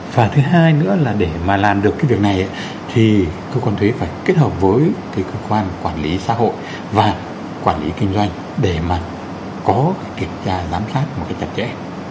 và thứ hai nữa là để mà làm được cái việc này thì cơ quan thuế phải kết hợp với cái cơ quan quản lý xã hội và quản lý kinh doanh để mà có kiểm tra giám sát một cách chặt chẽ